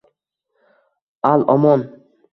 Al-omon!